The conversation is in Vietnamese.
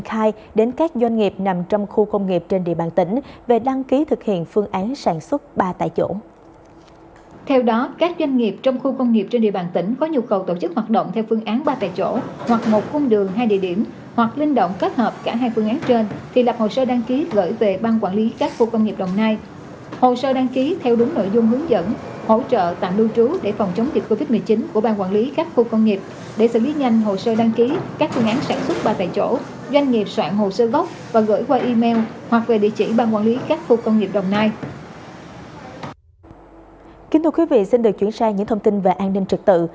kính thưa quý vị xin được chuyển sang những thông tin về an ninh trực tự